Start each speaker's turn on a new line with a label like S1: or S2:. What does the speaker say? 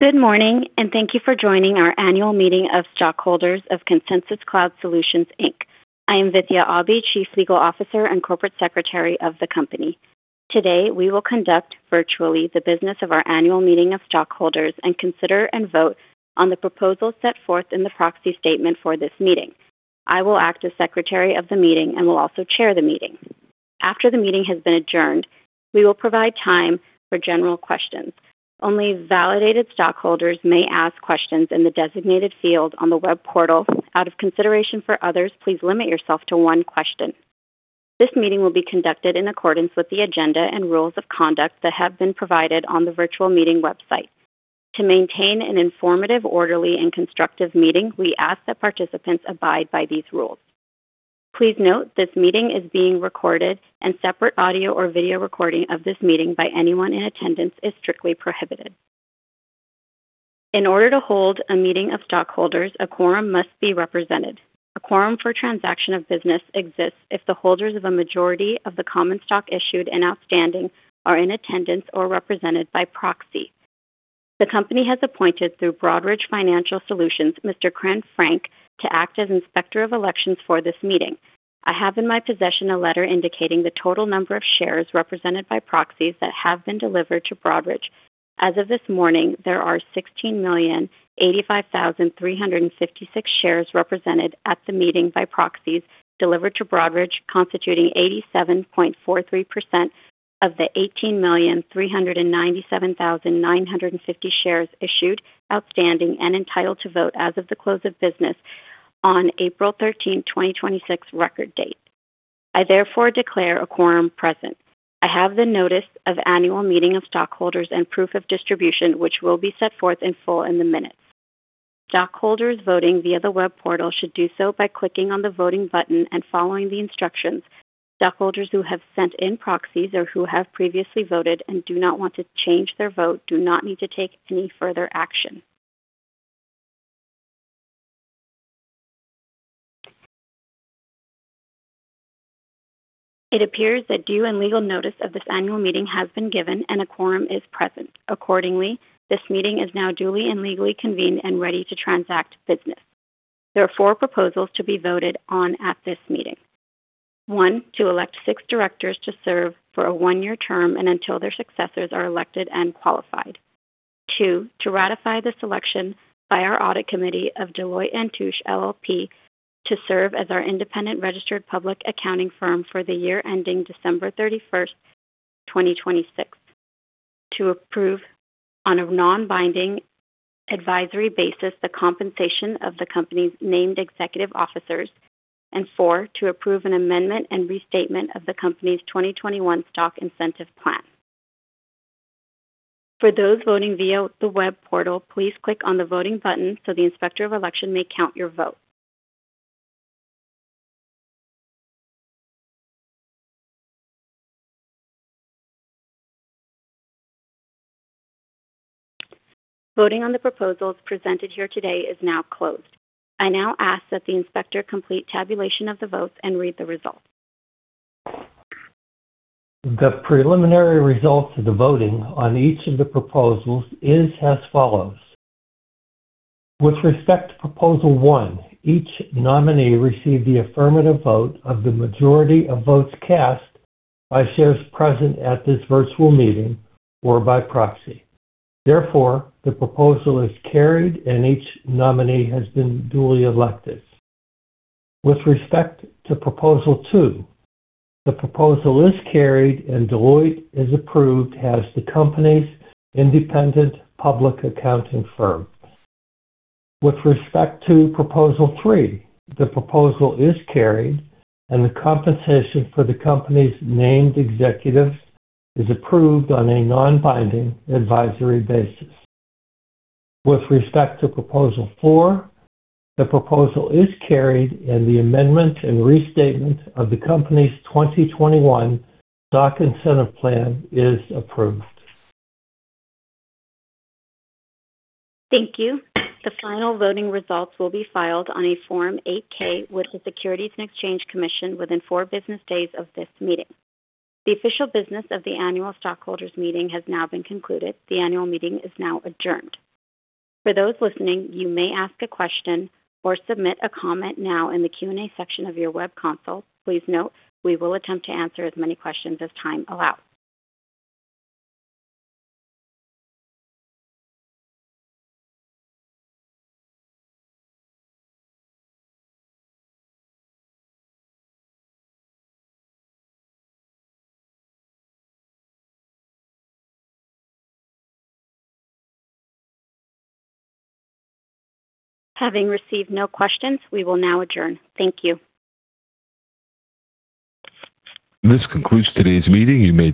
S1: Good morning. Thank you for joining our annual meeting of stockholders of Consensus Cloud Solutions, Inc. I am Vithya Aubee, Chief Legal Officer and Corporate Secretary of the company. Today, we will conduct virtually the business of our annual meeting of stockholders and consider and vote on the proposals set forth in the proxy statement for this meeting. I will act as Secretary of the Meeting and will also chair the meeting. After the meeting has been adjourned, we will provide time for general questions. Only validated stockholders may ask questions in the designated field on the web portal. Out of consideration for others, please limit yourself to one question. This meeting will be conducted in accordance with the agenda and rules of conduct that have been provided on the virtual meeting website. To maintain an informative, orderly, and constructive meeting, we ask that participants abide by these rules. Please note this meeting is being recorded. Separate audio or video recording of this meeting by anyone in attendance is strictly prohibited. In order to hold a meeting of stockholders, a quorum must be represented. A quorum for transaction of business exists if the holders of a majority of the common stock issued and outstanding are in attendance or represented by proxy. The company has appointed, through Broadridge Financial Solutions, Mr. Ken Frank to act as Inspector of Elections for this meeting. I have in my possession a letter indicating the total number of shares represented by proxies that have been delivered to Broadridge. As of this morning, there are 16,085,356 shares represented at the meeting by proxies delivered to Broadridge, constituting 87.43% of the 18,397,950 shares issued outstanding and entitled to vote as of the close of business on April 13th, 2026 record date. I therefore declare a quorum present. I have the notice of annual meeting of stockholders and proof of distribution, which will be set forth in full in the minutes. Stockholders voting via the web portal should do so by clicking on the voting button and following the instructions. Stockholders who have sent in proxies or who have previously voted and do not want to change their vote do not need to take any further action. It appears that due and legal notice of this annual meeting has been given and a quorum is present. Accordingly, this meeting is now duly and legally convened and ready to transact business. There are four proposals to be voted on at this meeting. One, to elect six directors to serve for a one-year term and until their successors are elected and qualified. Two, to ratify the selection by our audit committee of Deloitte & Touche LLP to serve as our independent registered public accounting firm for the year ending December 31st, 2026. To approve, on a non-binding advisory basis, the compensation of the company's named executive officers. Four, to approve an amendment and restatement of the company's 2021 Stock Incentive Plan. For those voting via the web portal, please click on the voting button so the Inspector of Election may count your vote. Voting on the proposals presented here today is now closed. I now ask that the inspector complete tabulation of the votes and read the results.
S2: The preliminary results of the voting on each of the proposals is as follows. With respect to proposal one, each nominee received the affirmative vote of the majority of votes cast by shares present at this virtual meeting or by proxy. Therefore, the proposal is carried and each nominee has been duly elected. With respect to proposal two, the proposal is carried and Deloitte is approved as the company's independent public accounting firm. With respect to proposal three, the proposal is carried and the compensation for the company's named executives is approved on a non-binding advisory basis. With respect to proposal four, the proposal is carried and the amendment and restatement of the company's 2021 Stock Incentive Plan is approved.
S1: Thank you. The final voting results will be filed on a Form 8-K with the Securities and Exchange Commission within four business days of this meeting. The official business of the annual stockholders meeting has now been concluded. The annual meeting is now adjourned. For those listening, you may ask a question or submit a comment now in the Q&A section of your web console. Please note, we will attempt to answer as many questions as time allows. Having received no questions, we will now adjourn. Thank you.
S3: This concludes today's meeting.